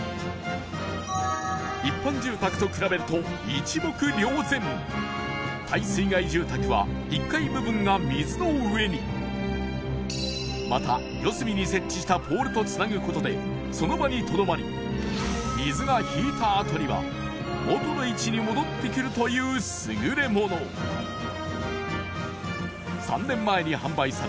一般住宅と比べると一目瞭然耐水害住宅は１階部分が水の上にまた四隅に設置したポールとつなぐことでその場にとどまり水が引いたあとには元の位置に戻ってくるというすぐれもの３年前に発売され